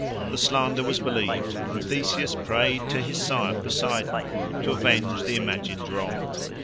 The slander was believed, and Theseus prayed to his sire Poseidon to avenge the imagined wrong.